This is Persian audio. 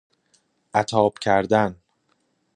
عتاب کردن